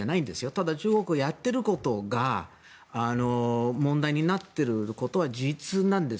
ただ、中国がやっていることが問題になっていることは事実なんです。